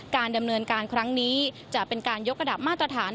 การดำเนินการครั้งนี้จะเป็นการยกระดับมาตรฐาน